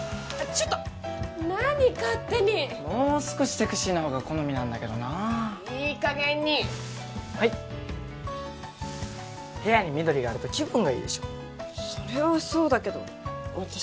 ちょっと何勝手にもう少しセクシーな方が好みなんだけどないい加減にはい部屋に緑があると気分がいいでしょそれはそうだけど私